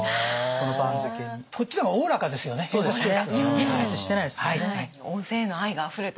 ギスギスしてないですもんね。